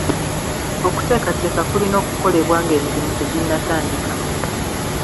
Okuteekateeka kulina okukolebwa ng'emirimu teginnatandika.